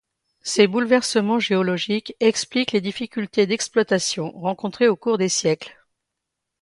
Ces bouleversements géologiques expliquent les difficultés d'exploitation rencontrées au cours des siècles.